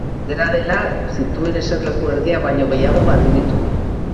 Dena dela, zituen eserlekuen erdia baino gehiago galdu ditu.